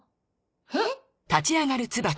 えっ？